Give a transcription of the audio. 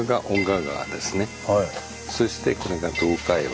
そしてこれが洞海湾。